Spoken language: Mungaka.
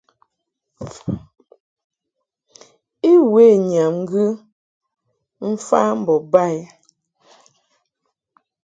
I we nyam ŋgɨ mfa mbo ba i.